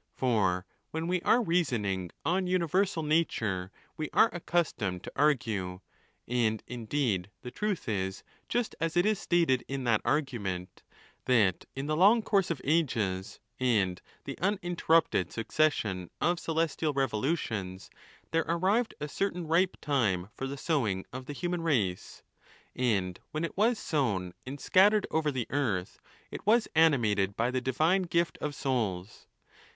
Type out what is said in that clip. VIII. For when we are reasoning on "universal nature, we are accustomed to argue (and indeed the truth is just as it is stated in that argument) that in the long course of ages, and the uninterrupted succession of celestial revolutions, there arrived a certain ripe time for the sowing of the human race ; and when it was sown and scattered over the earth, it was animated by the divine gift of souls.